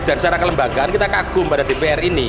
dan secara kelembagaan kita kagum pada dpr ini